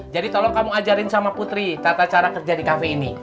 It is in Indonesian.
jadi tolong kamu ajarin sama putri tata cara kerja di kafe ini